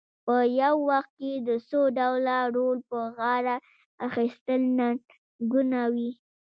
په یو وخت کې د څو ډوله رول په غاړه اخیستل ننګونه وي.